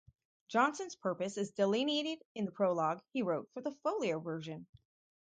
Jonson's purpose is delineated in the prologue he wrote for the folio version.